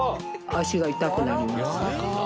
足が痛くなります。